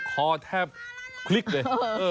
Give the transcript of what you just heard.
คอแทบคลิกเลย